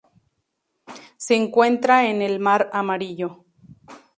Se encuentra en el Mar Amarillo.